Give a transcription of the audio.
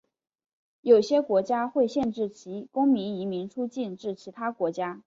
有些国家会限制其公民移民出境至其他国家。